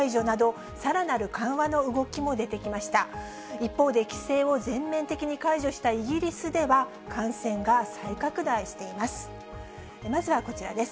一方で規制を全面的に解除したイギリスでは、感染が再拡大しています。